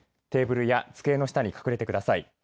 テーブルや机の下に隠れてください。